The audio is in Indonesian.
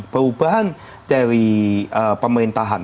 perubahan dari pemerintahan